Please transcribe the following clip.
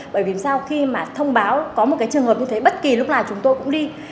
bởi vì sao khi mà thông báo có một cái trường hợp như thế bất kỳ lúc nào chúng tôi cũng đi